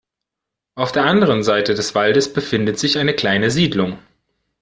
Auf der anderen Seite des Waldes befindet sich eine kleine Siedlung.